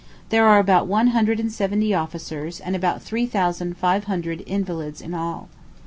There are about one hundred and seventy officers, and about three thousand fire hundred invalids in all.